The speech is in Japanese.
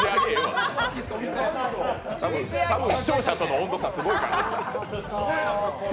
多分、視聴者との温度差、すごいから。